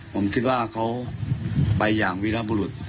ผมคิดว่าเขาไปอย่างวิรบุรุษ